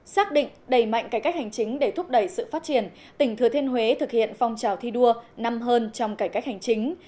xác định đầy mạnh cải cách hành chính để thúc đẩy sự phát triển tỉnh thừa thiên huế thực hiện phong trào thi đua năm hơn trong cải cách hành chính